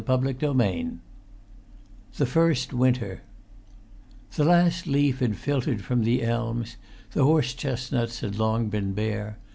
[Pg 209] XIX THE FIRST WINTER The last leaf had filtered from the elms; the horse chestnuts had long been bare.